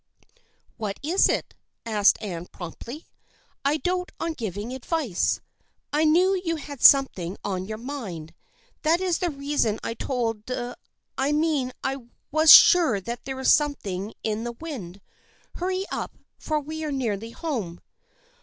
" What is it ?" asked Anne, promptly. " I dote on giving advice. I knew you had something on your mind. That is the very reason I told D — I mean I was sure there was something in the wind. Hurry up, for we are nearly home."